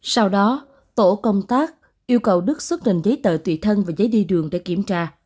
sau đó tổ công tác yêu cầu đức xuất trình giấy tờ tùy thân và giấy đi đường để kiểm tra